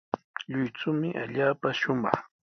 Lluychumi allaapa shumaq.